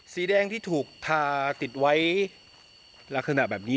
สีแดงที่ถูกติดให้แรงจะรากครองดากใต้เหลือแบบนี้